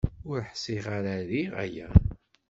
Ur ḥṣiɣ ara riɣ aya.